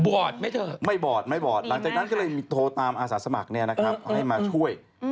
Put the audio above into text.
เธอไม่บอดไม่บอดหลังจากนั้นก็เลยโทรตามอาสาสมัครให้มาช่วย